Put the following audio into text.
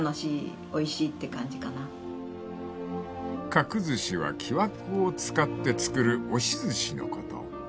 ［角寿司は木枠を使って作る押しずしのこと］